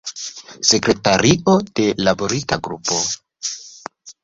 Sekretario de laborista grupo.